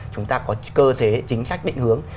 chúng ta có cơ chế chính sách định hướng